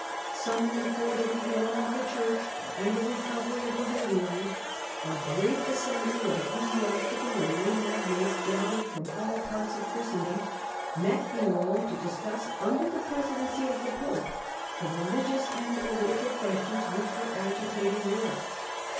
Summoned for 1215^^^^' ^^® reform of the Church and the recovery of the Holy Land, a great assembly of ecclesiastical and lay magnates, gathered from all parts of Christendom, met in Rome to discuss, under the presidency of the Pope, the religious and political questions which were agitating Europe.